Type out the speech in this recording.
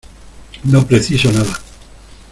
no preciso nada.